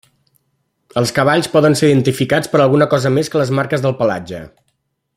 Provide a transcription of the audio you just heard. Els cavalls poden ser identificats per alguna cosa més que les marques del pelatge.